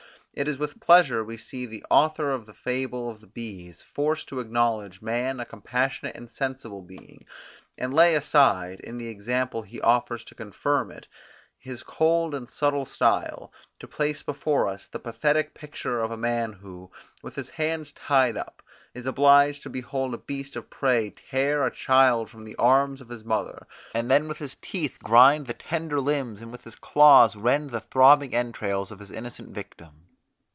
It is with pleasure we see the author of the fable of the bees, forced to acknowledge man a compassionate and sensible being; and lay aside, in the example he offers to confirm it, his cold and subtle style, to place before us the pathetic picture of a man, who, with his hands tied up, is obliged to behold a beast of prey tear a child from the arms of his mother, and then with his teeth grind the tender limbs, and with his claws rend the throbbing entrails of the innocent victim.